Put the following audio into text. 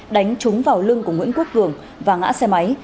đánh trúng vào lưng của nguyễn quốc cường và ngã xe máy